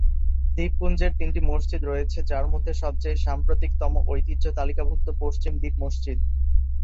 দ্বীপপুঞ্জের তিনটি মসজিদ রয়েছে যার মধ্যে সবচেয়ে সাম্প্রতিকতম ঐতিহ্য তালিকাভুক্ত পশ্চিম দ্বীপ মসজিদ।